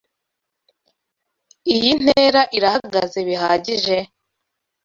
Iyi ntera irahagaze bihagije?